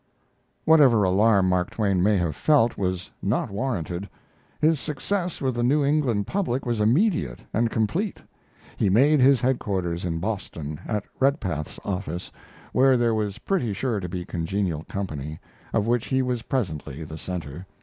Whatever alarm Mark Twain may have felt was not warranted. His success with the New England public was immediate and complete. He made his headquarters in Boston, at Redpath's office, where there was pretty sure to be a congenial company, of which he was presently the center.